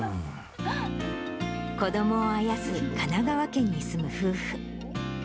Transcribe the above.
子どもをあやす神奈川県に住む夫婦。